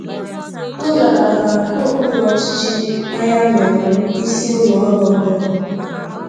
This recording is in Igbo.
ngalaba nke okpuruọchịchị Ayamelụm isi ụlọọrụ ọhụrụ.